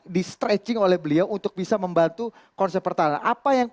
di stretching oleh beliau untuk bisa membantu konsep pertahanan